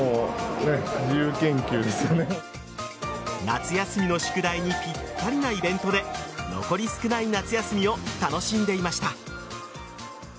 夏休みの宿題にぴったりなイベントで残り少ない夏休みを楽しんでいました。